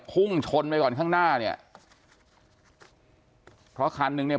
พุ่งชนไปก่อนข้างหน้าเนี่ยเพราะคันนึงเนี่ย